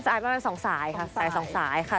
อาจประมาณ๒สายค่ะสายสองสายค่ะ